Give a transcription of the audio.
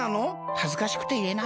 はずかしくていえないよ。